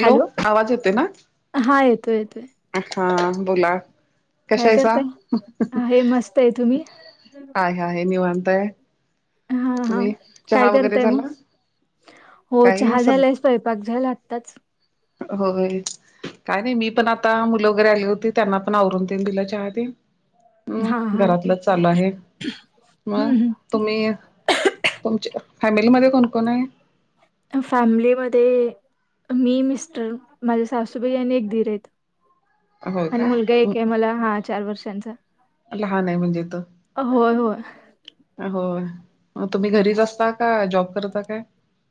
Hello? Hello, आवाज येतोय का? हा, येतोय, येतोय. हा, बोला कशा काय आहेसा? करताय? आहे मस्त आहे. तुम्ही? आहे, आहे निवांत हाय. हा, हा, काय वगैरे करताय मग? झाला हो काही चहा स झालाय, स्वयपाक झाला आत्ताच. होय. काय नाही मी पण आता मुलं वगैरे आली होती त्यांना पण आवरून देन दिला चहा तेन. हम्, हा हा. घरातलं चालू आहेत. म हं हं. तुम्ही? तुमच्या फॅमिलीमध्ये कोण-कोण आहेत? फॅमिलीमध्ये मी, मिस्टर माझ्या सासूबाई आणि एक दीर आहेत. होय आणि का मुलगा एक आहे मला, हा चार वर्षांचा. लहान आहे म्हणजे तो? होय, होय. होय, तुम्ही घरीच असता का जॉब करता काय?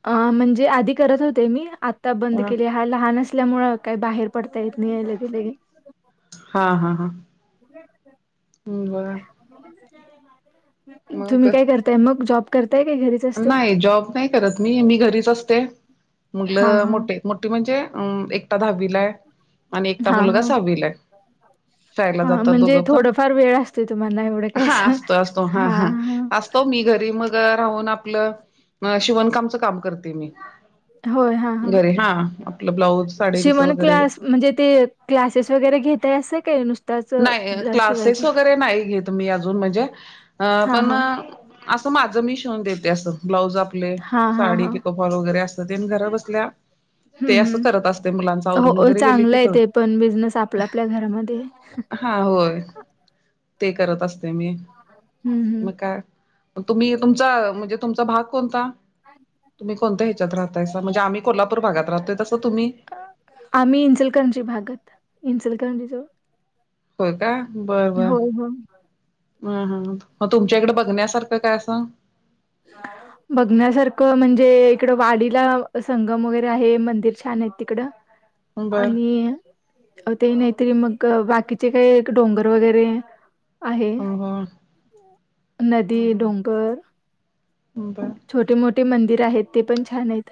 अ, म्हणजे आधी करत होते मी, आता बंद केलीया हा लहान असल्यामुळं काही बाहेर पडता येत नाही. लगे-लगे. हा, हा, हा. बर तुम्ही मग काय करता? ते मग जॉब करताय काय घरीचं? नाही जॉब नाही करत मी, मी घरीच असते, हा मुलं हा. मोठे आहेत. मोठी म्हणजे अं एकटा दहावीला हाय आणि एकटा हा मुलगा हा. सहावीला हाय. शाळेला हा जातात म्हणजे दोघं पण, थोडंफार वेळ असते तुम्हाला एवढं काय हा असं असतो, असतो हा, हा असतो मी घरी मग राहून आपलं, शिवणकामच काम करते मी. होय हा घरी हा, आपलं ब्लाऊज साडी शिवण क्लास, म्हणजे ते क्लासेस वगैरे घेताय असं काय नुस नाही, क्लासेस वगैरे नाही घेत मी अजून म्हणजे, अ हा पण हा असं माझं मी शिवून देते असं. ब्लाऊज आपले, हा हा साडी हा पिको-फॉल वगैरे अस, ते म घर बसल्या ते असं हम्, करत असते मुलांच आवरून हो वगैरे गेले चांगलं की आहे थोड ते पण बिझनेस आपला आपल्या घरामध्ये. हा होय, ते करत असतोय मी. हम्म हम्म मग काय? तुम्ही, तुमचा म्हणजे तुमचा भाग कोणता? तुम्ही कोणत्या ह्याच्यात राहतायसा. म्हणजे आम्ही कोल्हापूर भागात राहतोय तस तुम्ही? आम्ही इंचलकरंजी भागात इंचलकरंजीजवळ. होय का, बर, बर. होय होय हम, हम हा म तुमच्या इकडे बघण्यासारखं काय असं? ये आवर. बघण्यासारखं म्हणजे इकडं वाडीला, संगम वगैरे आहे मंदिर छान आहेत तिकडं. बर आणि हा, नाही ते मग बाकीचे काय डोंगर वगैरे आहे. ह नदी, डोंगर बर छोटे, मोठे मंदिर आहेत, ते पण छान आहेत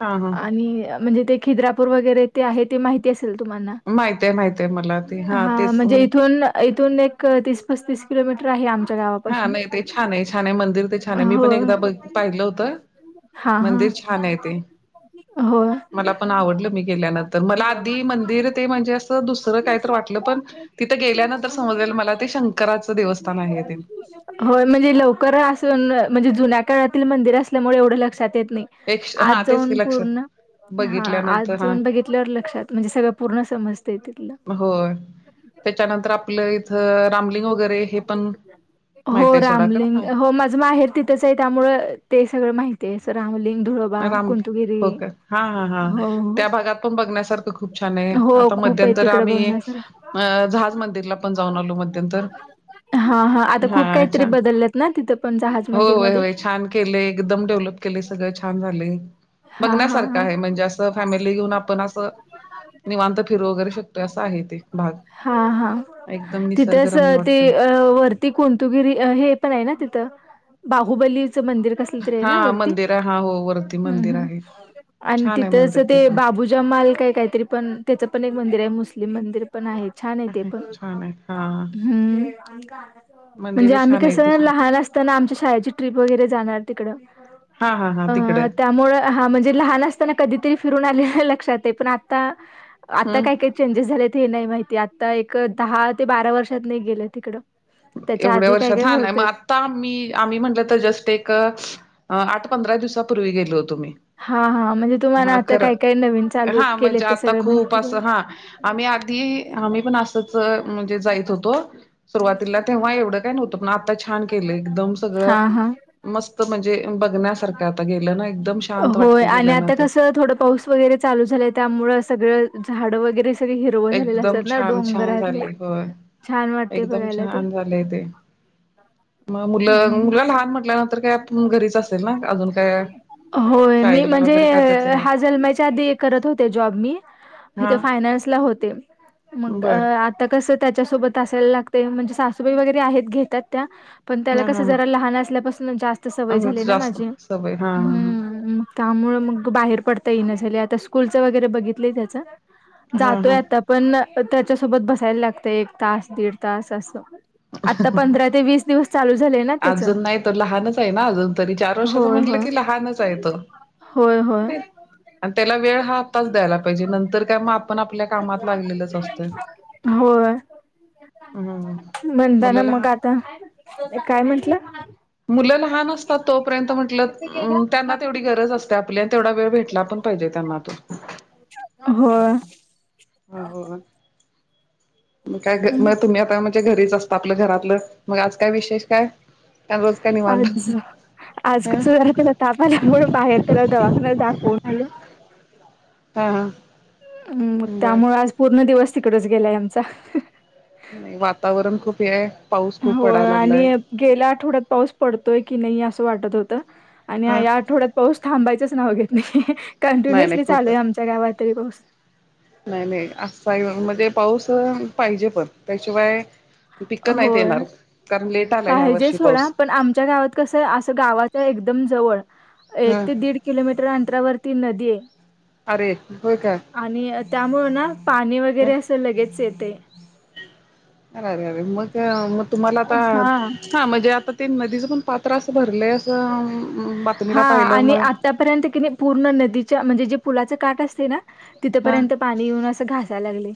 हा हा आणि म्हणजे ते खिद्रापूर वगैरे ते आहे ते माहिती असेल तुम्हाना? माहिती हाय, माहिती हाय मला ते, हा तेच म्हणजे इथून इथून एक तीस -पस्तीस किलोमीटर आहे आमच्या हा गावापासून. नाही ते छान आहे छान आहे मंदिर ते छान आहे. मी हो. पण एकदा बघ, पाहिलं होतं. हा, हा, मंदिर छान आहे ते होय मला पण आवडलं मी गेल्यानंतर, मला आधी मंदिर ते म्हणजे असं दुसरं काही तर वाटलं पण तिथं गेल्यानंतर समजलेलं मला ते शंकराचं देवस्थान आहे तेनं. होय... म्हणजे लवकर असून म्हणजे... जुन्या काळातील मंदिर असल्यामुळे... एवढं लक्षात येत नाई. एक आज हा तेच जाऊन की लक्षात पूर्ण हा... आत बघितल्यानंतर हा जाऊन बघितल्यावर... लक्षात... म्हणजे सगळं पूर्ण समजतय तिथलं. होय. त्याच्यानंतर आपलं इथं... रामलिंग वगैरे हे पण माहित हो... आहे सोडा खरा रामलिंग हो... माझं माहेर तिथंच ए... त्यामुळं... ते सगळं माहितीए... असं रामलिंग... धुळं राम... हो का? हा हा हा... हो त्या भागात पण बघण्यासारखं खूप छान ए... हो हो आता खूप मध्य आहे तर तिकडे आम्ही... बघण्यासार अं... जहाज मंदिरला पण जाऊन आलो मध्यंतर हा हा... आता खूप काहीतरी बदललेत ना? तिथं पण जहाज हो... होय मंदिरमध्ये होय... छान केले... एकदम डेव्हलप केलेय सगळं.. छान झालय हा हा बघण्यासारखं आहे... म्हणजे असं... फॅमिली घेऊन आपण असं निवांत फिरू वगैरे शकतोय असं आहे... ते भाग... हा हा हा एकदम निसर्गरम्य वाटतोय. ती कोणतुगिरी... हे पण हाये ना तिथं... बाहुबलीचं मंदिर. हा मंदिर... हा... हो वर हूं हूं... आणि तिथंच ते बाबु जमाल काय काहीतरी पण... त्याचं पण एक मंदिर हे मुस्लिम मंदिर. पण आहे... छान आहे... ते पण.. छान आहे हा हम्म म्हणजे मंदिर आम्ही छान आहे ते कसं... पण लहान असताना आमच्या शाळेची ट्रिप वगैरे जाणार तिकड हा हा हा... तिकडं. त्यामुळं... हा... म्हणजे लहान असताना... कधीतरी फिरून आलेलं लक्षात ए... पण आता? आता हम्म काय काय चेंजेस झालेत... हे नाही माहिती... आता एक... दहा ते बारा वर्षातनं गेलो तिकडं. त्याच्या एवढ्या आधी काय वर्षात... काय हा नाही [unintelligible] होतं आता आम्ही... आम्ही म्हटलं तर जस्ट एक... आठ पंधरा दिवसापूर्वी... गेलो होतो मी हां हां म्हणजे तुम्हाला हा आता खरं... काय काय नवीन चालू हा केले म्हणजे ते आता सगळं खूप माहिती बघा. असं हा आम्ही आधी... आम्ही पण असंच... म्हणजे जायच होतो.. सुरुवात तिला तेव्हा एवढं काय नव्हतं... पण आता छान केलं... एकदम सगळं हां हां. मस्त म्हणजे... बघण्यासारखं... आता गेलं ना एकदम... छान होय... आणि आता कसं... थोडं पाऊस वगैरे चालू झालंय त्यामुळं... सगळं झाडं वगैरे सगळं हिरवं झालेले एकदम असतात... ना छान छान डोंगरातले झाले होय छान वाटतय... एकदम बघायला ते? छान झालंय ते मग मुलं... हम्म. मुलं लहान म्हटल्यानंतर काय आपण घरीच असेल ना अजून काय होय... मी शाळेला म्हणजे... वगैरे काय त्याच काय हा जलमायच्या आधी करत होते जॉब मी... तिथं हा फायनान्सला होते... मग बर आ -ता कसं... त्याच्यासोबत असायला लागतय... म्हणजे सासूबाई वगैरे आहेत... घेतात त्या पण त्याला हा कसं... जरा लहान असल्यापासनं... जास्त सवय हा झाली ना जास्त माझी... सवय हा हा हम्म त्यामुळे मग... बाहेर पडता येईना झालय... आता स्कूलचं वगैरे बघितलं त्याचं... हा हा जातोय हा आता. पण... त्याच्यासोबत बसायला लागतंय... एक तास... दीड तास... असं आता पंधरा ते वीस दिवस... चालू झालेय ना त्याचं तर लहानच आहे ना अजून तरी... चार वर्षाचं म्हटलं होय की लहानच आहे तो. होय... होय. अन त्याला वेळ हा आत्ताच द्यायला पाहिजे... नंतर काय मग... आपण आपल्या कामात.. लागलेलोच असतोय. होय. हम्म. म्हणताना... मुलं लहान मग आता... काय म्हटलं? मुलं लहान असतात तोपर्यंत म्हटलं, त्यांना तेवढी गरज अस- आपल्या तेवढा वेळ भेटला, पण पाहिजे त्यांना तो. होय. हो, हो, हो. मग काय मग तुम्ही आता म्ह- णजे घरीच असता आपलं घरातलं, मग आज काय विशेष काय? काय - आज, आज कसं झालं, त्याला ताप आल्यामुळे बाहेर त्याला दवाखान्यात दाखवून आलो‌. हा, हा. हम्म, मग बर त्यामुळे आज पूर्ण दिवस तिकडच गेलाय आमचा. नाही, वातावरण खूप हे आहे. पाऊस खूप होय पडायला आणि लागलाय गेल्या आठवड्यात पाऊस पडतोय की नाही, असं वाटत होतं. आणि हा या आठवड्यात पाऊस थांबायचच नाव घेत नाही, नाही नाही कंटिन्युअसली चालूय खूपच आमच्या गावात तरी पाऊस. नाही, नाही अस हाय म्हणजे, पाऊस पाहिजे पण त्याशिवाय- पिक्कं नाहीत होय येणार. कारण लेट आला ह्या पाहिजे वर्षी सोडा, पाऊस पण आमच्या गावात कसं आहे असं गावाच्या एकदम जवळ- एक ह ते दीड किलोमीटर अंतरावरती नदी आहे. अरे, होय का? आणि त्यामुळं ना, पाणी वगैरे अरे असं लगेच येतय. अरे, अरे, मग त्या मग तुम्हाला आता- हा हा, म्हणजे आता ती नदीच पण पात्र असं भरलंय असं- बातमीला हा पाहिलं आणि मग आतापर्यंत की नाही, पूर्ण नदीच्या म्हणजे जे पुलाच काठ असतय ना- हा तिथंपर्यंत पाणी येऊन असं घासायला लागलय.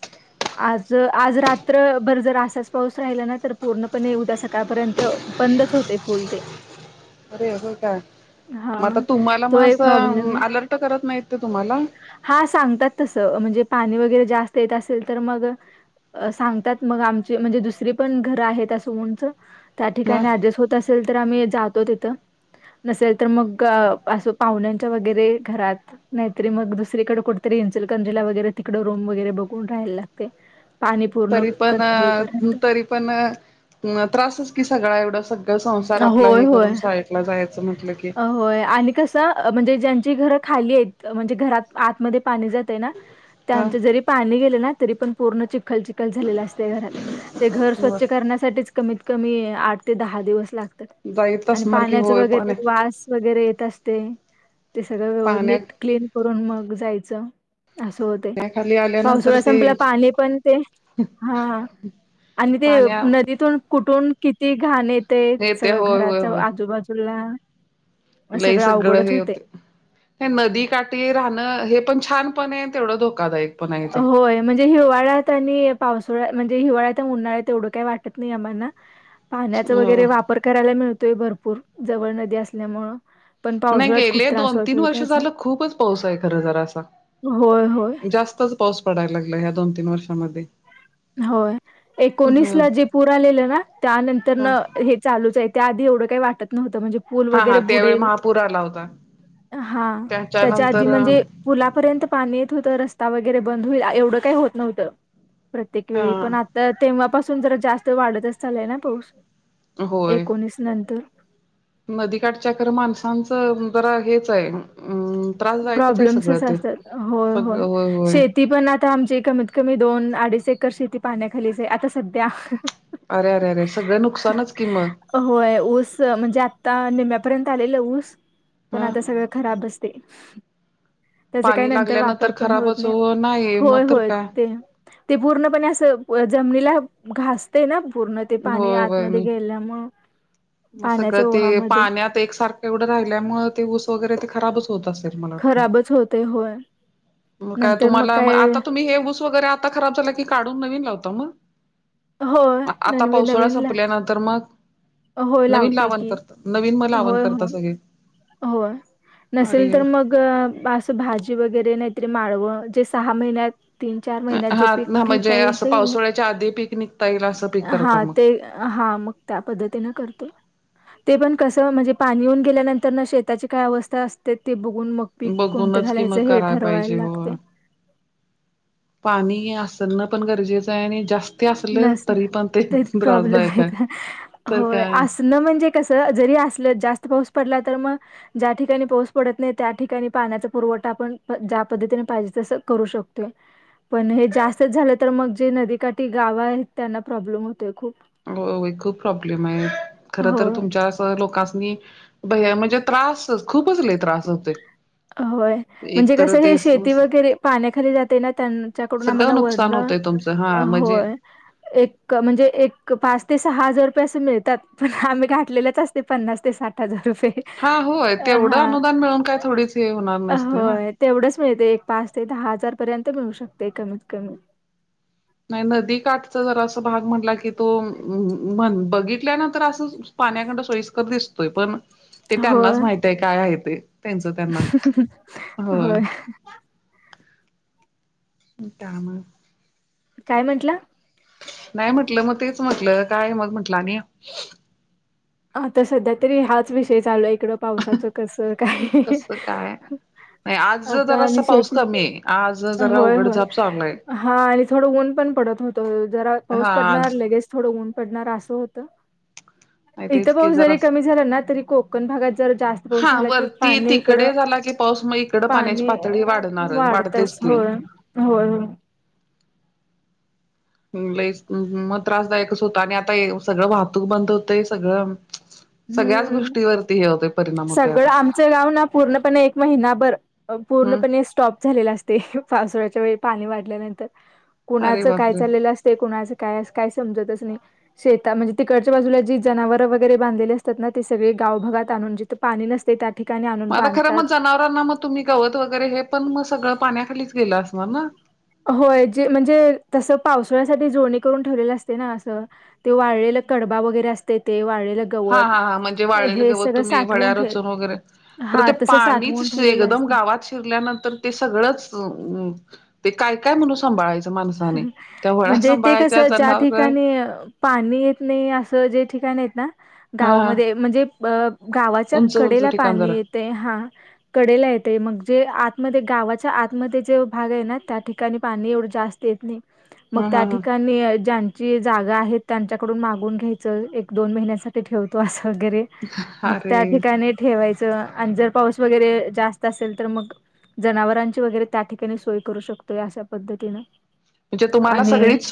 आज, आज रात्रभर जर असाच पाऊस राहिला ना, तर पूर्णपणे उद्या सकाळपर्यंत- बंदच होतय फुल ते. अरे अस काय, हा मग आता तुम्हाला तो मग एक प्रॉब्लेम असं आहे अलर्ट करत नाहीत ते तुम्हाला? हा सांगतात तसं, म्हणजे पाणी वगैरे जास्त येत असेल तर मग- सांगतात, मग आमची म्हणजे दुसरी पण घरं आहेत उंच- त्या ह ठिकाणी ऍडजस्ट होत असेल तर, आम्ही जातो तिथं, - नसेल तर मग असं पाहुण्यांच्या वगैरे घरात- नाहीतरी, मग दुसरीकडे कुठेतरी इचलकरंजीला वगैरे तिकडं रूम वगैरे बघून राहायला लागतय. तरी पण अ.. तू तरी पण- मग त्रासच की सगळा एवढं सगळं संसार आपला होय हे होय करून सायटला जायचं म्हटल्यावर. होय आणि कसं म्हणजे ज्यांची घरं खाली आहेत, म्हणजे घरात आतमध्ये पाणी जात- य ना, हा त्यांच जरी पाणी गेले ना, तरी पण पूर्ण चिखल चिख- ल झालेल असतय घरात. ते घर स्वच्छ करण्यासाठीच कमीत कमी आठ ते दहा दिवस लाग- तात जाईत आणि असणार की पाण्याचं होय वगैरे- पाण्या गास वैगरे येत असतय, ते सगळ पाण्या नीट क्लिन- करून मग जायच अस हो- तय. पाण्याखाली आल्यानंतर पावसाळा ते संपला पाणी पण ते, हा. आणि ते पाण्या नदीतून कुठून- किती घाण येते, येते सगळं होय होय घराच्या होय आजूबाजूला. लई सगळं अवघडच हे होते. होतय. हे नदी काठी राहणं, हे पण छान पण आहे, तेवढं धोकादायक. पण आहे ते होय. म्हणजे हिवाळ्यात आणि पावसाळ्यात म्हणजे हिवाळ्यात, उन्हाळ्यात तेवढं काही वाटत नाही आम्हांना. पाण्याचा अ वगैरे, वापर करायला मिळतोय भरपूर, जवळ नदी असल्यामुळं. पण नाही पावसाळ्यात खूप गेले त्रास दोन -तीन होतोय वर्ष त्याचा झालं खूपच पाऊस आहे खरं जरासा. होय होय जास्त पाऊस पडायला लागलाय ह्या दोन- तीन वर्षांमध्ये. होय, एकोणीसला जे पुरलेलं ना, त्यानंतर हा न हे चालूच हाय, त्या आधी एवढं काय वाटत नव्हत. म्हणजे पूल हा वगैरे हा त्यावेळी बुडेल, महापूर आला होता हा त्याच्या आधी त्याच्यानंतर म्हणजे पुलापर्यंत पाणी येत होतं रस्ता वगैरे बंद होईल एवढं काही होत नव्हतं. प्रत्येक वेळी पण हा आता तेव्हापासून जरा जास्त वाढतच चालाय ना पाऊस. होय एकोणीस नंतर. नदीकाठच्या जरा माणसांच जरा हेच आहे अम त्रासदायकच आहे सगळं प्रॉब्लेम्सचं ते असतात होय सगळं होय होय शेती पण आता आमची कमीत कमी दोन अडीच एकर शेती पाण्याखालीच आहे आता सध्या अरे अरे अरे सगळं नुकसानच कि मग होय ऊस म्हणजे आता निम्म्यापर्यंत आलेलं ऊस पण ह आता सगळं खराबचं त्याचं काय पाणी नंतर लागल्यानंतर वापर पण होत खराबच नाही हो नाही मग होय तर होय काय ते. ते पूर्णपणे असं जमनीला घासते ना पूर्ण. ते पाणी होय होय आतमध्ये गेल्यामुळे मग सगळं पाण्याच्या ते ओहामध्ये पाण्यात एकसारखं. एवढं राहिल्यामुळे ते ऊस वगैरे ते खराबच. होत असेल मला वाटतंय खराबच होते होय मग काय नंतर तुम्हाला काय आता तुम्ही हे ऊस वैगेरे आत ता खराब झाला की काढून नवीन लावता मग? होय आता नवीन पावसाळा नवीन संपल्यानंतर मग होय नवीन लावतोय लावण की करत नवीन मग लावण होय करता होय सगळे होय नसेल तर अरे म ग अस भाजी वगैरे नाहीतरी माळवं जे सहा महिन्यात तीन चार महिन्यात जे हा पीक ना घेता म्हणजे येईल असं ते पावसाळ्याच्या आधी पीक निघता येईल असं पीक करता हा ते मग हा मग त्या पद्धतीन करतो ते पण कस म्हणजे पाणी येऊन गेल्यानं तरणं शेताची काय अवस्था असते ते बघून मग पीक कोणतें बघूनच कि मग घालायचं हे करायला ठरवायला पाहिजे हो लागते पाणी असणं पण गरजेचं आहे आणि जास्त स्ती असल नसणं तरी पण ते तरी त्रासदायक हाय तर काय न म्हणजे कस जरी असलं जास्त पाऊस पडला तर मग ज्या ठिकाणी पाऊस पडत नाही त्या ठिकाणी पाण्याचा पुरवठा आपण ज्या पद्धतीने पाहिजे तसं करू शकतोय. पण हे जास्तच झालं तर मग जे नदीकाठी गावं आहेत त्यांना प्रॉब्लेम होतोय खूप. होय होय खूप प्रॉब्लेम हाय खर हो तर तुमच्या लोकांस्नी हे म्हणजे त्रास खूपच लई त्रास होतोय होय म्हणजे एक तर कसं हे ते शेती सगळं वगैरे पाण्याखाली जाते ना त्यांच्याकडून आम्हाला नुकसान वरनं होतय तुमचं हा म्हणजे एक म्हणजे एक पाच ते सहा हजार रुपये असं मिळतात पण आम्ही घातलेलच असत ते पन्नास ते साठ हजार रुपये हा होय अ तेवढं हा. अनुदान मिळून काय थोडीचं होय तेवढंच मिळते एक पाच ते दहा हजार पर्यंत मिळू शकतय कमीत कमी नाही नदीकाठचा जरासं भाग म्हणला की तो म्ह बघितल्यानंतर असं पाण्याकडनं सोयीस्कर दिसतोय पण ते त्यांनाच होय माहित आहे काय आहे ते त्यांचं त्यांनाच होय काम काय म्हटला? नाही म्हटलं, मग तेच म्हटलं काय मग म्हटलं आणि? आता सध्या तरी हाच विषय चालू आहे, इकडं पावसाचं कसं काय? कसं काय नाही आज आता आणि जरासा पाऊस शेती. कमी आहे आज जरा होय, होय उघडझाप चालू आहे. हा आणि थोडं ऊन पण पडत होत. जरा पाऊस हा पडणार, आज लगेच थोडं ऊन पडणार, असं होतं. नाही इथं तेच की पाऊस जरी जरास कमी झाला ना, तरी कोकण भागात जर जास्त पाऊस हा झाला कि वरती पाणी इकडं- तिकडे झाला की पाऊस मग इकडं पाण्याची पाणी पातळी वाढणारच वाढतेच वाढतच. ती. होय, होय, होय. लयच मग त्रासदायकच होत आणि आता सगळं वाहतूक बंद होतय सगळं- सगळ्याच हम्म. गोष्टीवरती. हे होतय, परिणाम. होतोय आता सगळं आमचं गाव ना, पूर्णपणे एक महिनाभर हम्म पूर्णपणे स्टॉप- झालेल असतय. पावसाळ्याच्या वेळी पाणी वाढल्यानंतर, अरे कुणाचं काय बापरे चाललेलं अस- तय, कुणाच काय काय समजतच नाही. शेता म्हणजे तिकडच्या बाजूला जी जनावर वगैरे बांधलेले अस- तात. ना ते सगळे गावभगात आणून जिथे पाणी नसते त्या ठिकाणी आणून बांधतात. त ना मग तुम्ही गवत वगैरे, हे पण मग सगळ पाण्याखालीच गेलं असणार ना? होय, जे म्हणजे तसं पावसाळ्यासाठी जोडणी करून ठेवलेलं असते ना असं- ते वाळलेल कडबा वगैरे असतय ते वाळलेल- हा, हा, हा म्हणजे वाळेलल गवत तुम्ही वड्या ठेव रचून वगैरे- खर हा ते तसं साठवून पाणीच ठेवलेलं एकदम असते गावात शिरल्यानंतर- ते सगळंच, ते काय, काय म्हणून सांभाळायचं. माणसाने त्या वळा म्हणजे ते कस सांभाळायच्या ज्या जनावर ठिकाणी- पाणी येत नाही, असं जे ठिकाण आहेत ना- हा हा गावामध्ये म्हणजे अ गावाच्या उंच उंच कडेला ठिकाण पाणी जरा येतय. हा, कडेला येते मग, जे आतमध्ये गावाच्या आतमध्ये जे भाग आहे ना, त्या ठिकाणी पाणी एवढं जास्त- येत नाही, मग ह त्या ह ह ठिकाणी ज्यां- जी जागा आहेत, त्यांच्याकडून मागून घ्यायचं. एक, दोन महिन्यासाठी ठेवतो असं वगैरे- मग अरे त्या ठिकाणी ठेवायचं आणि जर पाऊस वगैरे जास्त असेल तर मग- जनावरांची वगैरे त्या ठिकाणी सोय करू शकतोय, अशा पद्धतीनं. म्हणजे तुम्हाला आणि सगळीच-